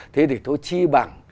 thế thì thôi chi bằng